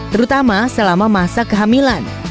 terutama selama masa kehamilan